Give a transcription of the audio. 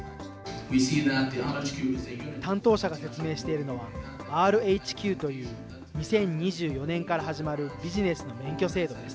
担当者が説明しているのは、ＲＨＱという２０２４年から始まるビジネスの免許制度です。